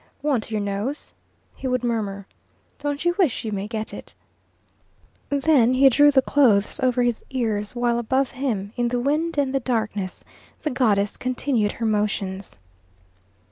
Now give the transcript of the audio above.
"Want your nose?" he would murmur. "Don't you wish you may get it" Then he drew the clothes over his ears, while above him, in the wind and the darkness, the goddess continued her motions.